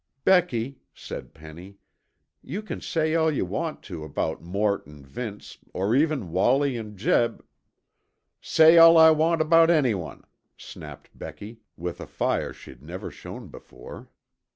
"Becky," said Penny, "you can say all you want to about Mort and Vince, or even Wallie and Jeb " "Say all I want about anyone!" snapped Becky, with a fire she'd never shown before.